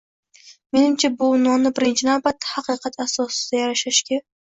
Menimcha, bu unvonni birinchi navbatda “haqiqat asosida yashashga”